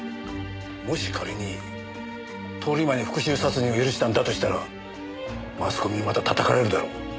もし仮に通り魔に復讐殺人を許したんだとしたらマスコミにまた叩かれるだろう。